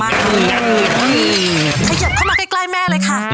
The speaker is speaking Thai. ขยิบเข้ามาใกล้แม่เลยค่ะ